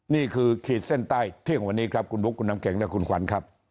ขีดเส้นใต้เที่ยงวันนี้ครับคุณบุ๊คคุณน้ำแข็งและคุณขวัญครับ